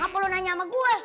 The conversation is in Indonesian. gak perlu nanya sama gue